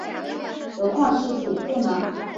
何况是主簿呢？